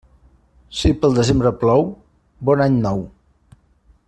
Si pel desembre plou, bon any nou.